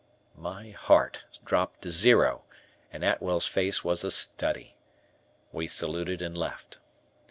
My heart dropped to zero and Atwell's face was a study. We saluted and left.